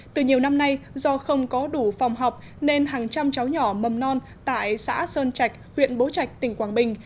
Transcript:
từ nhiều năm nay do không có đủ phòng học nên hàng trăm cháu nhỏ mầm non tại xã sơn trạch huyện bố trạch tỉnh quảng bình